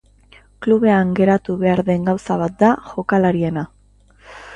Klubean geratu behar den gauza bat da, jokalariena.